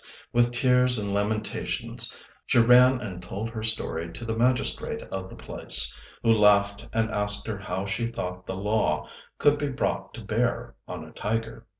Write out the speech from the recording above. With tears and lamentations she ran and told her story to the magistrate of the place, who laughed and asked her how she thought the law could be brought to bear on a tiger.